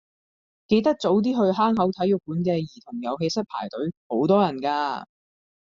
記得早啲去坑口體育館嘅兒童遊戲室排隊，好多人㗎。